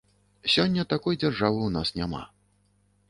Сёння такой дзяржавы ў нас няма.